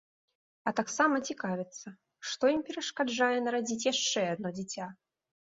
А таксама цікавяцца, што ім перашкаджае нарадзіць яшчэ адно дзіця?